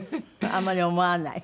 あんまり思わない？